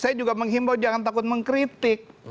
saya juga menghimbau jangan takut mengkritik